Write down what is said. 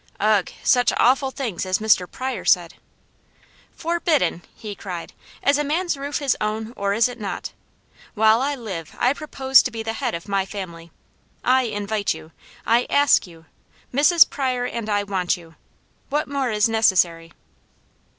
Ugh! Such awful things as Mr. Pryor said. "Forbidden!" he cried. "Is a man's roof his own, or is it not? While I live, I propose to be the head of my family. I invite you! I ask you! Mrs. Pryor and I want you! What more is necessary?"